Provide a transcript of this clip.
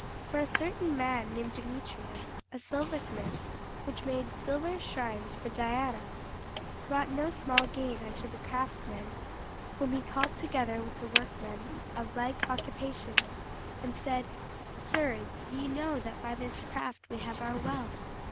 For a certain man named Demetrius, a silversmith, which made silver shrines for Diana, brought no small gain unto the craftsmen; whom he called together with the workmen of like occupation, and said, Sirs, ye know that by this craft we have our wealth.